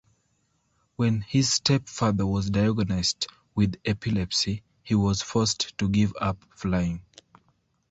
When his step-father was diagnosed with epilepsy, he was forced to give up flying.